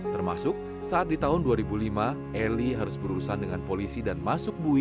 termasuk saat di tahun dua ribu lima eli harus berurusan dengan polisi dan masuk bui